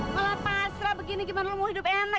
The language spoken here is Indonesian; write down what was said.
malah pasrah begini gimana mau hidup enak